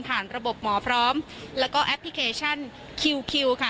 ระบบหมอพร้อมแล้วก็แอปพลิเคชันคิวคิวค่ะ